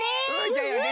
じゃよね！